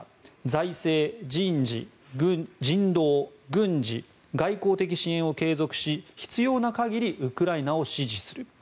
財政、人道、軍事、外交的支援を継続し必要な限りウクライナを支持する。